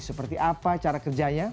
seperti apa cara kerjanya